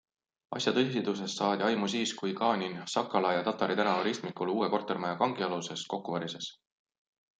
Asja tõsidusest saadi aimu siis, kui Ganin Sakala ja Tatari tänava ristmikul uue kortermaja kangialuses kokku varises.